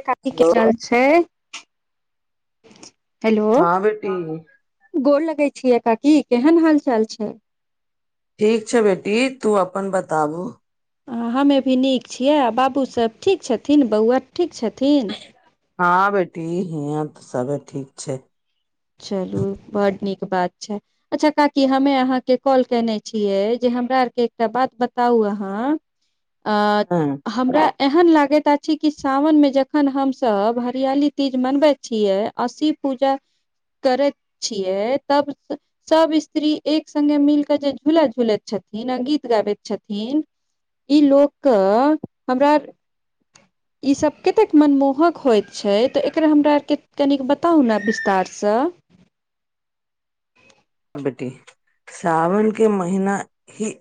की हाल हेलो चाल छैय। हेलो! हँ बेटी गोर लगे छिय, काकी केहन हाल चाल छै? ठीक छै बेटी, तू अपन बताबु? ह हमे भी नीक छियै, आ बाबू सभ ठीक छथिन, बौआ ठीक छथिन? हँ बेटी, हिया तऽ सब ठीक छै। चलू बड नीक बात छै। अच्छा काकी हमे अहाँके कॉल केने छियै, जे हमरा आरके एकटा बात बताउ अहाँ! आ, हँ हमरा एहन लागे आ कि, सावन में जखन हमसब हरियाली तीज मनबे छियै, और शिव पूजा करै छियै, तब सब स्त्री एक सङ्गे मिल क जे झूला झुलैत छथिन, आ गीत गाबैत छथिन। ई लोकके, हमरा [inaudible] इ सब कतेक मनमोहक होयत छै ते एकरा हमरा आर के कनी बताउ ने विस्तार स। स। बेटी साावन के महीना ही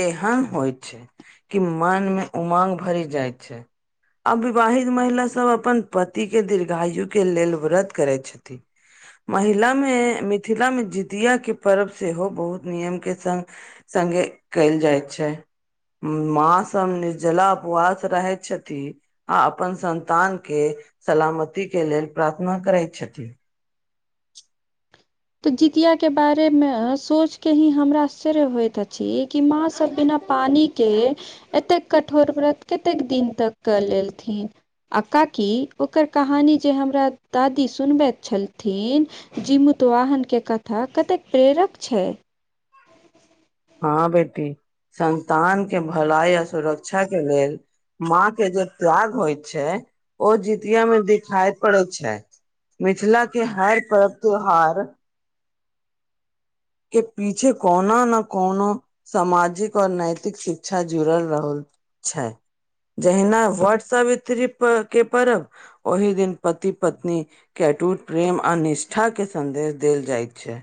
एहन होइ छै कि मन मे उमंग भरि जाइत छै। आ विवाहित महिला सब अपन पति के दीर्घायु के लेल व्रत करै छथि। महिला मे मिथिला मे जितिया के पर्व सेहो बहुत नियम के संग संगे कैल जाइत छै। माँ सब निर्जला उपवास रहै छथि। आ अपन संन्तान के सलामती के लेल प्रार्थना करैत छथि। तऽ जितिय के बारेमे सोचके ही हमरा आश्चर्य होइत अछि कि माँ सब बिना पानी के के एतेक कठोर व्रत कतेक दिन तक क लेलथिन। आ काकि ओकर कहानी जे हमरा दादी सुनबैत छलथिन जीमुतवाहनके कथा कतेक प्रेरक छै। हँ बेटी संन्तान के भलाई आ सुरक्षा के लेल माँ के जे त्याग होइ छै ओ जितिया मे दिखाई पड़ैत छै। मिथिला के हर पर्व त्यौहार के पीछे कौनो ने कौनो सामाजिक और नैतिक शिक्षा जुड़ल रहल। छै जहिना वट सावित्री प के पर्ब ओहि दिन पति पत्नी के अटूट प्रेम आ निष्ठाके सन्देश देल जाइत छै।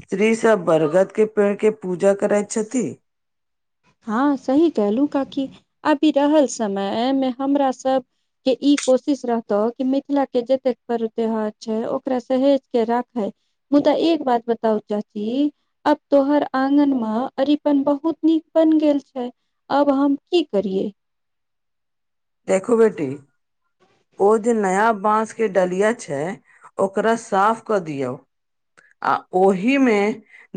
स्त्री सब बरगद के पेड़ के पूजा करैत छथि। हँ सही कहलहु काकी अबि रहल समय मे हमर सब के ई कोशिश रहतौ कि मिथिला के जतेक पर्व त्यौहार छै ओकरा सहेज के राखै। मुदा एक बात बताउ चाची? आब तोहर आगनमे अरिपन बहुत नीक बन गेल छै अब हम की करिये? देखू बेटी ओ जे नया बांस के डलिया छै ओकरा साफ कऽ दियऔ। आ ओहिमे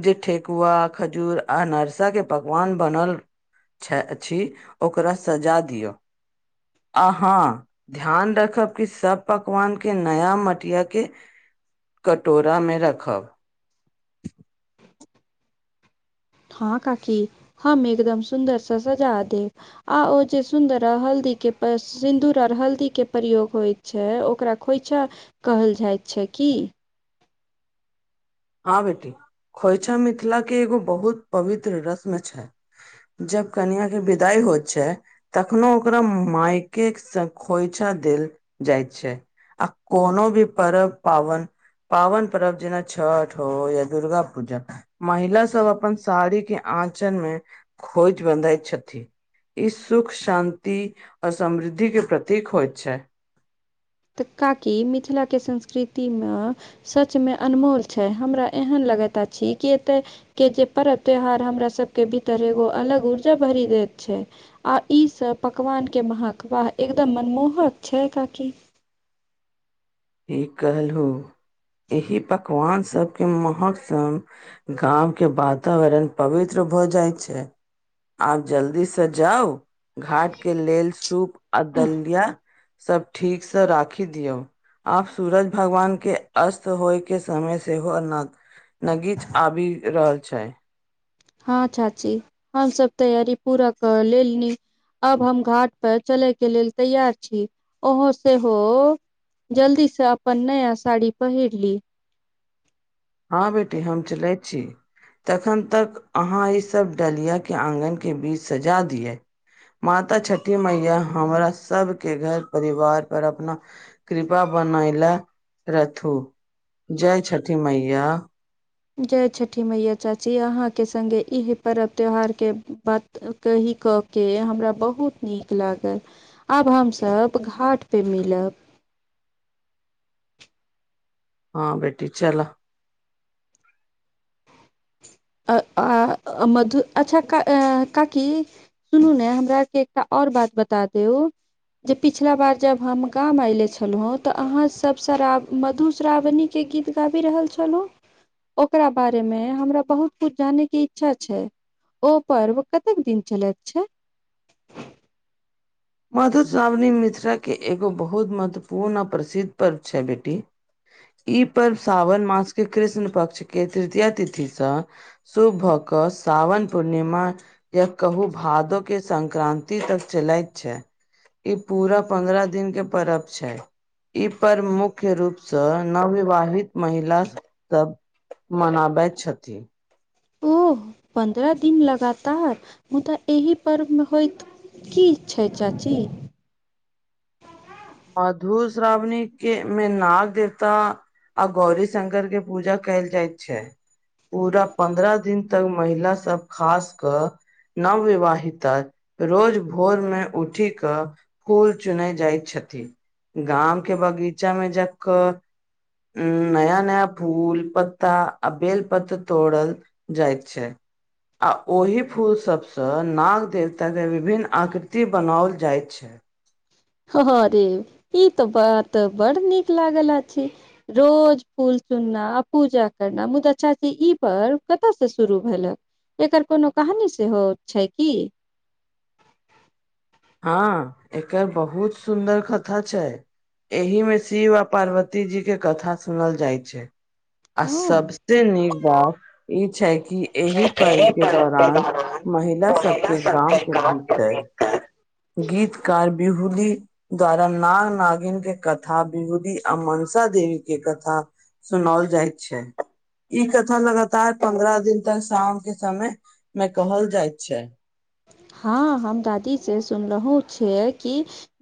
जे ठेकुआ खजूर अनरसा के पकवान बनल छे छी ओकरा सजा दिओ। अ हाँ ध्यान रखब कि सब पकवान के नया मटिया के कटोरामे रखब। हँ काकी हम एकदम सुन्दरसँ सजा देब। आ ओ जे सुंदर हल्दी के सिन्दूर आर हल्दी के प्रयोग होय छै ओकरा खोइछा कहल जाइत छै की? हँ बेटी खोइछा मिथिला के एगो बहुत पवित्र रस्म छै। जब कनियांँके विदाई होइत छै तखनो ओकरा माायकेक स खोइछा देल जाइत छै। आ कोनो भी परब पाबन पाबन परब जेना छठ हो या दुर्गा पूजा महिला सब अपन साड़ी के आँचल मे खोइछ बंधय छथि। ई सुख शान्ति और समृद्धि के प्रतीक होइत छै। त काकी मिथिलाके संस्कृतिमे सचमे अनमोल छै हमरा एहन लगैत अछी कि एतय के जे परब त्योहार हमरा सबके भीतर एगो अलग ऊर्जा भरी देैत छै। आ ई सब पकवान के महक वाह! एकदम मनमोहक छै काकी ठीक कहलहु एही पकवान सबके महक सन- गाँवम के वातावरण पवित्र भऽ जाइत छै। आब जल्दीसँ जाउ घाट के लेल सूप आ दलिया। सब ठीकसँ राखी दिअउ। आब सूरज भगवान के अस्त होय के समय से हो नग- नगीच आबी रहल छै। हँ चाची हम सब तैयारी पूरा कर लेलनी। अब हम घाट पर चलै के लेल तैयार छी ओहो सेहो- जल्दी से अपन नया साड़ी पहिर ली। हँ बेटी हम चलैत छी। तखन तक आहाँ ई सब डलियाके अंङ्गनाके बीच सजा दियै। माता छठी मैया हमरा सब के घर परिवार पर अपना- कृपा बनैले रहथू जय छठी मैया। जय छठि मैया चाची आहाँके सङ्गे इहे परब त्यौहारके बात- ओ कही कऽ के हमरा बहुत नीक लागल। आब हम सब घाट पे मिलब। हँ बेेटी चलह। अ आ अ मधु अच्छा का अ काकी- सुनू ने हमरा के एकटा और बात बता देउ। जे पिछला बार जब हम गाम ऐले छलौहें त आहाँ सब शराब मधुश्रावणी- के गीत गाबी रहल छलहूँ ओकरा बारे मे हमरा बहुत- ओ जाने के इच्छा छै ओ पर्व कतेक दिन चलेैत छै। मधुश्रावणी मिथिलाके एगो बहुत महत्वपूर्ण आ प्रसिद्ध पर्व छै बेटी। ई पर्व सावन मास के कृष्ण पक्ष के तृतीया तिथिसँ- शुभ भऽ कऽ साावन पूर्णिमा- या कहु भादो के संक्रान्ति तक चलैत छै। ई पूरा पन्द्रह दिन के परब छै। ई पर्व मुख्य रूपसँ नवविवाहित महिला सब तब। मनाबैत छथि। ओह पन्द्रह दिन लगातार मुदा एहि पर्वमे होइत- की छै चाची- मधुश्रावणी के मे नाग देवता- आ गौरी शंकर के पूजा कैल जाइत छै। पूरा पन्द्रह दिन तक महिला सब खास कऽ नवविवाहिता रोज भोर मे उठी कऽ फूल चूनै जाइत छथिन गाम के बगीचामे जाकऽ उं नया- नया फूल पत्ता आ बेलपत्र तोरल- जाइत छै। आ ओही फूल सबसँ नाग देवताके विभिन्न आकृति बनाओल जाइत छै। हँ रे ई तऽ बात बड़ नीक लागल आछि। रोज फूल चूनना आ पूजा करना मुदा अच्छा इ ई पर्व कतऽ से शुरू भेलक- एकर कोनो कहानी सेहो छै की- हँ एकर बहुत सुन्दर कथा छै। एहि में शिव आ पार्वती जी के कथा सुनल जाय छै। आ जे सबस्ते नीक बात ई छै कि एहि पर्व के दौरान महिला सबके गाँंव के भीत हँ गीतकार बिहुली द्वारा नाग नागिन के कथा विभूदी आ मनसा देवी के कथा सुनौल जाइत छै। ई कथा लगातार पन्द्रह दिन तक शाम के समय में कहल जायत छै। हँ हम दादी से सुनलहुँ छियै कि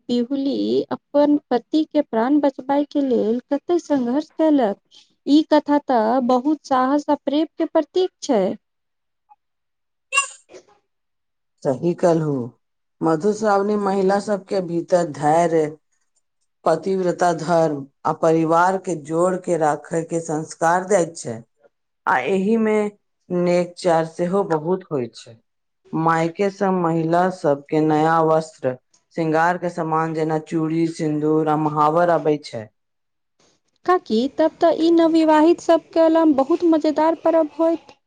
बिहुली अपन पति के प्राण बचबाय के लेल कते संघर्ष केलक। ई कथा तऽ बहुत साहस आ प्रेम के प्रतीक छै। सही कहलहु मधुश्रावणी महिला सबके भीतर धैर्य पतिव्रता धर्म आ परिवार के जोड़ के राखे के संस्कार दैत छै। आ एहि मे नेक चार सेहो बहुत होइ छै। मायके सँ महिला सबके नया वस्त्र शृंगार के सामान जेना चूड़ी सिन्दूर आ महावर अबै छै। काकि तब तऽ ई नवविवाहित सबके ल बहुत मजेदार पर्व होइत।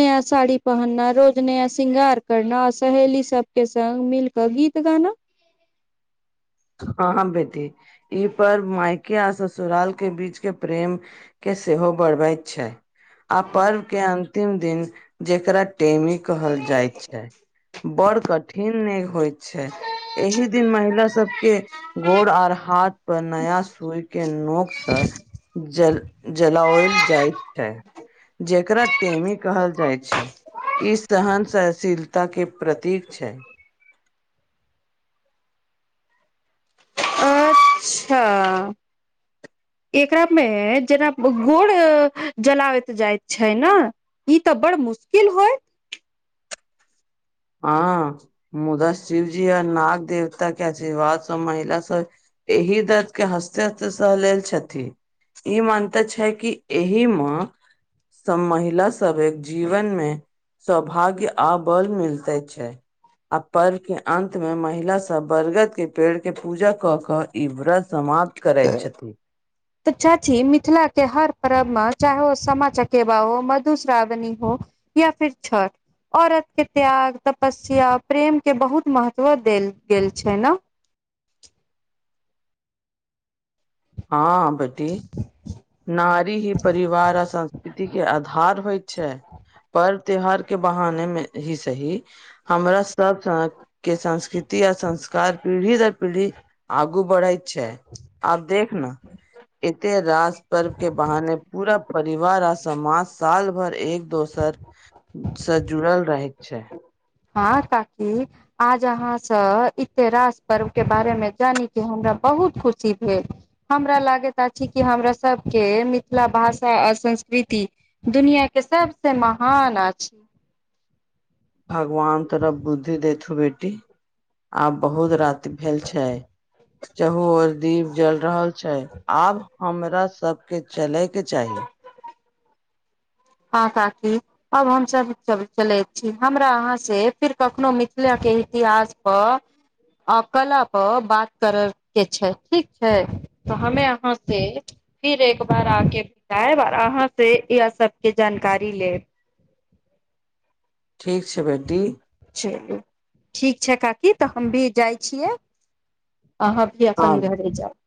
नया साड़ी पहनना रोज नया शृंगार करना सहेली सबके संग मिल त गीत गाना हँ हँ बेटी ई पर्व मायके आ ससुराल के बीच के प्रेम के सेहो बढ़बैत छै आ पर्व के अंतिम दिन जेकरा टेमी कहल जायत छै बड़ कठिन नहि होइत छै एहि दिन महिला सबके गोड़ आर हाथ पर नया सुइ के नोकसँ जल जलाओल जाइत छैै जेकरा टेमी कहल जाइत छै ई सहन सहशीलता के प्रतीक छै। अच्छा। एकरा मे जेना गोड़ जलाबैत जाइत छै नऽ। ई तऽ बड़ मुश्किल होय। हँ मुदा शिवजी आ नाग देवता के आशीर्वाद सँ महिला सब एहि दर्द के हस्ते-हस्ते सह लेल छथि। ई मानता छै कि एहि मऽ सब महिला सब एक जीवन मे सौभाग्य आ बल मिल तैछै। आ पर्व के अंत में महिला सब बरगद के पेड़ के पूजा कऽक ई व्रत समाप्त करै छथि। तऽ चाची मिथिला के हर परर्ब मे चाहे ओ सामा चकेवा हो मधुश्रावणी हो या फिर छठ। औरत के त्याग तपस्या प्रेम के बहुत महत्व देल गेल छै न। हँ बेटी। नारी ही परिवार आ संस्कृति के आधार होइ छै पर त्यौहार के बहाने मे ही सही। हमरा सब सनके संस्कृति आ संस्कार पीढ़ी दर पीढ़ी आगू बढ़ैइत छै आ एते रास पर्व के बहाने पूरा परिवार आ समाज साल भर एक दोसर से जुड़ल रहैत छै। हाँ काकी आज अहाँसँ इतिेरास पर्व के बारेमे जानी के हमरा बहुत खुशी भेल। हमरा लागैत छै, कि हमरा सबके मिथिला भाषा आ संस्कृति दुनिया के सबस महान अछि। भगवान तोरह बुद्धि देथु बेटी, आब बहुत राति भेल छै। चाहू आर दीप जल रहल छै, आब हमरा सबके चले के चाही। हँ काकी। आब हमसभ चल चलैत छी, हमरा अहाँसँ फेर कखनोहु मिथिलाके इतिहासपर आ कला पर बात करय के छै, ठीक छै? तऽ हमे अहाँ से फिर एक बार आके भेटाएब, और अहां से यह सब के जानकारी लेब। ठीक छै बेटी। चलू, ठीक छै काकी तऽ हम भी जाइ छियै, अहाँ हँ अपन घर जाउ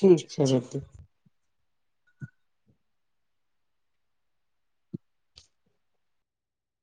ठीक छै बेटी।